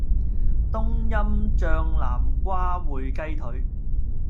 冬蔭醬南瓜燴雞腿